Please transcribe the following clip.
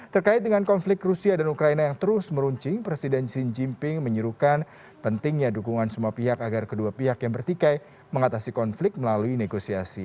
terkait dengan konflik rusia dan ukraina yang terus meruncing presiden xi jinping menyuruhkan pentingnya dukungan semua pihak agar kedua pihak yang bertikai mengatasi konflik melalui negosiasi